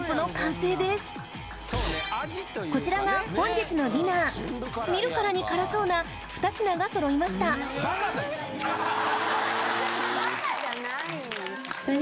こちらが本日のディナー見るからに辛そうな２品が揃いましたバカじゃないんですよ。